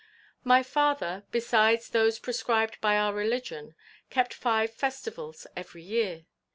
"My father, besides those prescribed by our religion, kept five festivals every year.